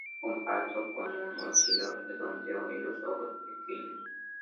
Es compacto, con un hocico redondeado y los ojos pequeños.